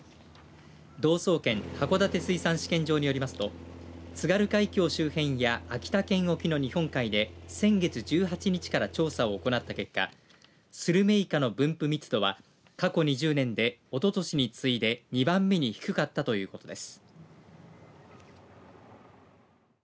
道総研函館水産試験場によりますと津軽海峡周辺や秋田県沖の日本海で先月１８日から調査を行った結果スルメイカの分布密度は過去２０年でおととしに次いで２番目に低かったということです。